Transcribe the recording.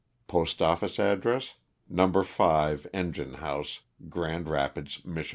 Postoffice address. No. 5 En gine House, Grand Rapids, Mich.